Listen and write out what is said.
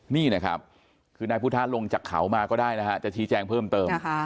นี่นะครับคือนายพุทธะลงจากเขามาก็ได้นะฮะจะชี้แจงเพิ่มเติม